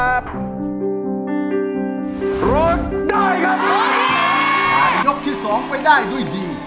อันยกที่สองไปได้ด้วยดี